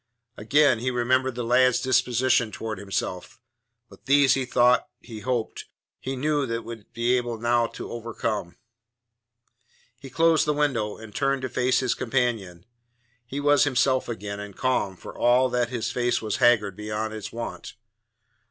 Again he remembered the lad's disposition towards himself; but these, he thought, he hoped, he knew that he would now be able to overcome. He closed the window, and turned to face his companion. He was himself again, and calm, for all that his face was haggard beyond its wont.